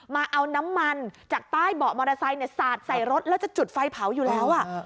มาเอาน้ำมันจากใต้เบาะมอเตอร์ไซค์สาดใส่รถแล้วจะจุดไฟเผาอยู่แล้ว